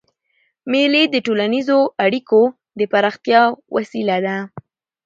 مېلې د ټولنیزو اړیکو د پراختیا وسیله ده.